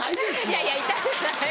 いやいやイタくない。